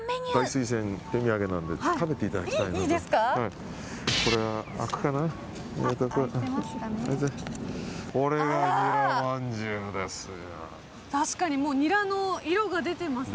大推薦手土産なので食べていただきたいです。